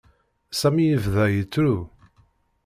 Sami yebda yettru.